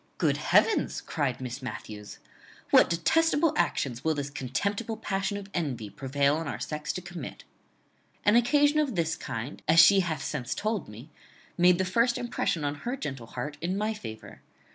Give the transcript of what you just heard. "Good heavens!" cried Miss Matthews; "what detestable actions will this contemptible passion of envy prevail on our sex to commit!" "An occasion of this kind, as she hath since told me, made the first impression on her gentle heart in my favour.